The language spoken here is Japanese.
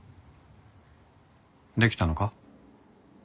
できたのか？